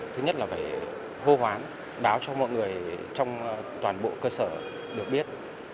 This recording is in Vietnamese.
thứ nhất là phải hô hoán báo cho mọi người trong toàn bộ cơ sở được biết